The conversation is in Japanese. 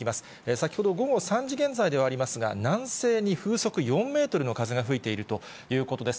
先ほど午後３時現在ではありますが、南西に風速４メートルの風が吹いているということです。